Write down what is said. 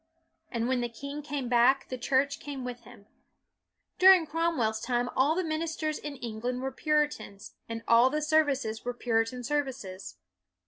And when the king came back the Church came with him. During Cromweirs time all the ministers in England were Puri tans, and all the services were Puritan services.